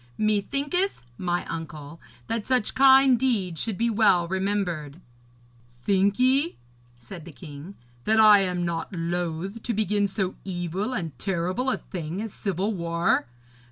Methinketh, my uncle, that such kind deeds should be well remembered.' 'Think ye,' said the king, 'that I am not loath to begin so evil and terrible a thing as civil war?